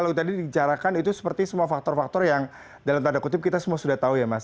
kalau tadi dijarahkan itu seperti semua faktor faktor yang dalam tanda kutip kita semua sudah tahu ya mas